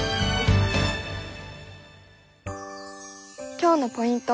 今日のポイント